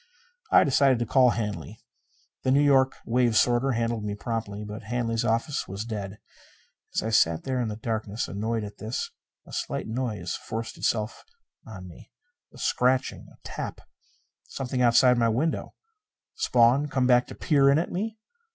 I decided to call Hanley. The New York wave sorter handled me promptly, but Hanley's office was dead. As I sat there in the darkness, annoyed at this, a slight noise forced itself on me. A scratching a tap something outside my window. Spawn, come back to peer in at me?